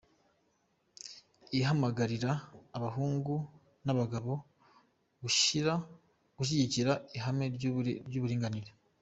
Ihamagarira abahungu n’abagabo gushyigikira ihame ry’uburinganire.